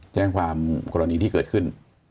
แจ้งความกรณีที่เกิดขึ้น